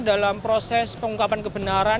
dalam proses pengungkapan kebenaran